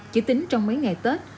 chỉ tính trong mấy ngày tết